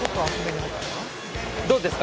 どうですか？